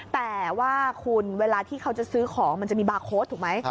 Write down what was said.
แต่ว่าคุณเวลาที่เขาจะซื้อของมันจะมีบาร์โค้ดถูกไหม